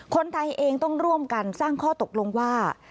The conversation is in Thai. คนไทยเองต้องร่วมกันสร้างข้อตกลงว่า